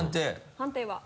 判定は？